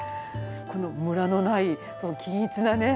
このムラのないその均一なね。